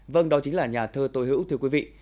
vâng đó chính là nhà thơ tôi hữu thưa quý vị